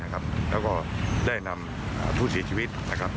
แล้วก็ได้นำผู้เสียชีวิต